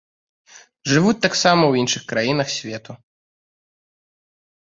Жывуць таксама ў іншых краінах свету.